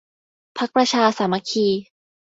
พรรคประชาสามัคคี